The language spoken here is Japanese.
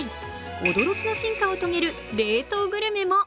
驚きの進化を遂げる冷凍グルメも。